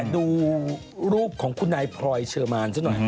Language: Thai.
ดูรูปของคุณนายพลอยเชอร์มานซะหน่อย